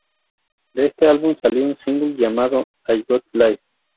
De este álbum salió un single llamado "I Got Life".